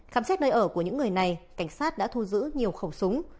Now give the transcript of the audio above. khám xét nơi ở của những người này cảnh sát đã thu giữ nhiều khẩu súng